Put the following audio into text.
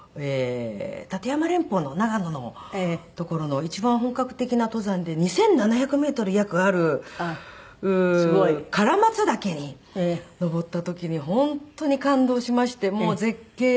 立山連峰の長野の所の一番本格的な登山で２７００メートル約ある唐松岳に登った時に本当に感動しましてもう絶景で。